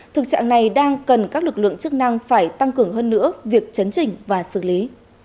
thực trạng này đang cần các lực lượng chức năng phải tăng cường hơn nữa việc chấn chỉnh và xử lý